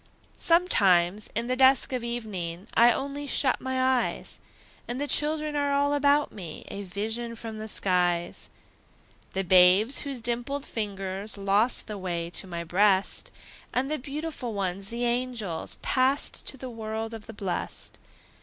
Sometimes, in the dusk of evening, I only shut my eyes, And the children are all about me, A vision from the skies: The babes whose dimpled fingers Lost the way to my breast, And the beautiful ones, the angels, Passed to the world of the blest.